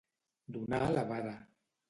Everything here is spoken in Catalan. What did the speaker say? Donar la vara.